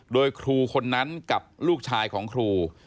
โดยครูคนนั้นกับลูกชายของครู